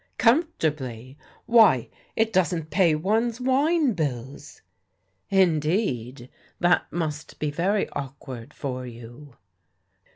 "Comfortably! Why, it doesn't pay one's wine Wis!" " Indeed. That must be very awkward for you."